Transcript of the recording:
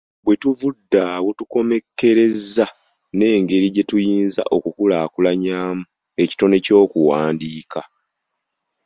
Bwe tuvudde awo tukommekkerezza n’engeri gye tuyinza okukulaakulanyaamu ekitone ky’okuwandiika.